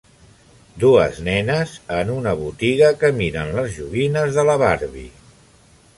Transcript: Dues nenes en una botiga que miren les joguines de la Barbie.